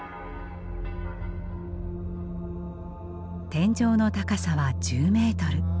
天井の高さは１０メートル。